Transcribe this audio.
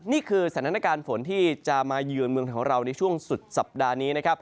นี่คือสถานการณ์ฝนที่จะมาเยือนเมืองของเราในช่วงสุดสัปดาห์นี้นะครับ